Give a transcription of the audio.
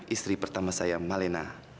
istri pertama saya malena